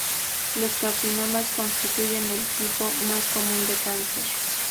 Los carcinomas constituyen el tipo más común de cáncer.